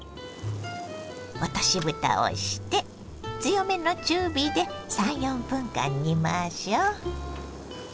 落としぶたをして強めの中火で３４分間煮ましょ。